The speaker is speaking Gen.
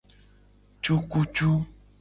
Cukucu.